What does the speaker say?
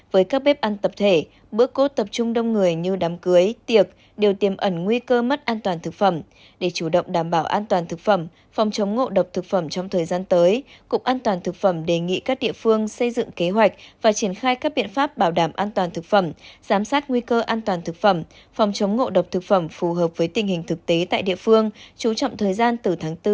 với các bếp ăn tập thể bữa cốt tập trung đông người như đám cưới tiệc đều tiêm ẩn nguy cơ mất an toàn thực phẩm để chủ động đảm bảo an toàn thực phẩm phòng chống ngộ độc thực phẩm trong thời gian tới cục an toàn thực phẩm đề nghị các địa phương xây dựng kế hoạch và triển khai các biện pháp bảo đảm an toàn thực phẩm giám sát nguy cơ an toàn thực phẩm phòng chống ngộ độc thực phẩm phù hợp với tình hình thực tế tại địa phương chú trọng thời gian từ tháng bốn đến tháng tám